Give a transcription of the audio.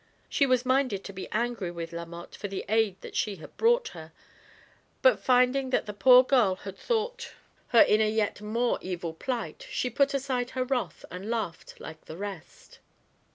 She was minded to be angry with La Mothe for the aid that she had brought her, but finding that the poor girl had thought 92 THE HEPrAMERON. her in a yet more evil plight, she put aside her wrath and laughed like the rest.